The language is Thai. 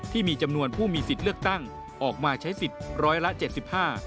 ที่มีจำนวนผู้มีสิทธิ์เลือกตั้งออกมาใช้สิทธิ์๑๗๕